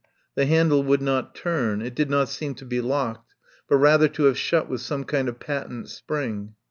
The handle would not turn. It did not seem to be locked, but rather to have shut with some kind of patent spring.